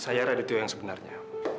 saya raditya yang sebenarnya